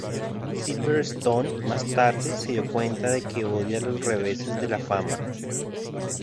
Silverstone más tarde se dio cuenta de que odia los reveses de la fama.